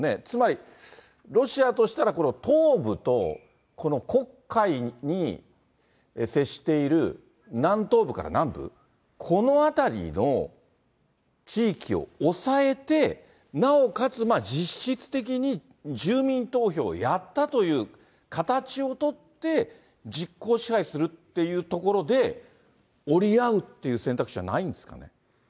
つまり、ロシアとしたら、この東部と黒海に接している南東部から南部、この辺りの地域をおさえて、なおかつ、実質的に住民投票をやったという形を取って、実効支配するっていうところで、折り合うという選択肢はないんですかね。